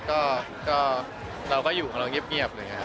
ก็เราก็อยู่ข้างล่างเงียบเลยครับ